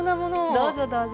どうぞどうぞ。